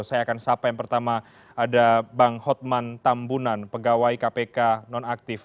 saya akan sapa yang pertama ada bang hotman tambunan pegawai kpk nonaktif